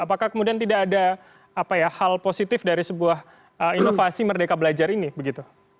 apakah kemudian tidak ada hal positif dari sebuah inovasi merdeka belajar ini begitu